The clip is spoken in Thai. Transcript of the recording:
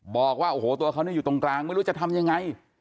บอกว่าโอ้โหตัวเขาอยู่ตรงกลางไม่รู้จะทำยังไง